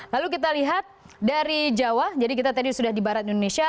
lalu kita lihat dari jawa jadi kita tadi sudah di barat indonesia